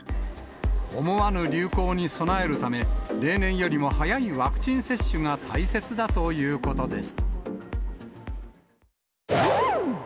思わぬ流行に備えるため、例年よりも早いワクチン接種が大切だということです。